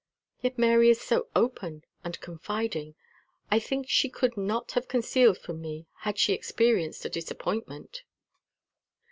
Yet Mary is so open and confiding, I think she could not have concealed from me had she experienced a disappointment."